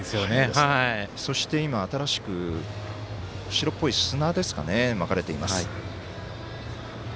そして新しく白っぽい砂がまかれています。